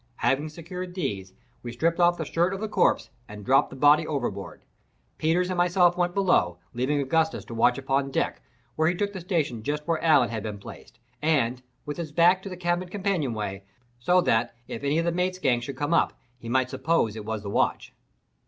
Having secured these, we stripped off the shirt of the corpse and dropped the body overboard. Peters and myself then went below, leaving Augustus to watch upon deck, where he took his station just where Allen had been placed, and with his back to the cabin companionway, so that, if any of the mate's gang should come up, he might suppose it was the watch.